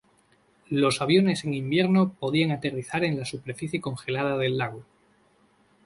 Los aviones en invierno podían aterrizar en la superficie congelada del lago.